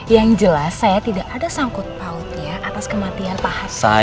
yang jelas saya tidak ada sangkut pautnya atas kematian pak harto